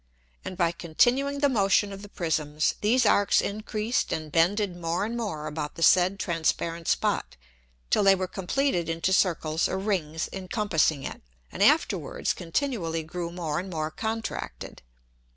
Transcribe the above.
And by continuing the Motion of the Prisms, these Arcs increased and bended more and more about the said transparent spot, till they were compleated into Circles or Rings incompassing it, and afterwards continually grew more and more contracted.